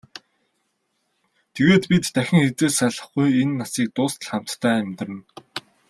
Тэгээд бид дахин хэзээ ч салахгүй, энэ насыг дуустал хамтдаа амьдарна.